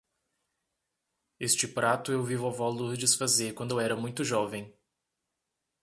Este prato eu vi vovó Lourdes fazer quando eu era muito jovem.